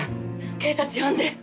警察呼んで！